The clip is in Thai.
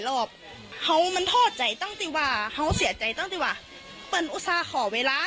รอบเขามันโทษใจตั้งติว่าเขาเสียใจตั้งที่ว่าเปิดอุตส่าห์ขอเวลา